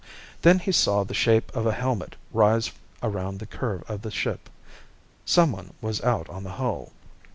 Then he saw the shape of a helmet rise around the curve of the ship. Someone was out on the hull.